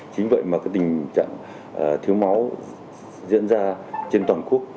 chính vậy mà cái tình trạng thiếu máu diễn ra trên toàn quốc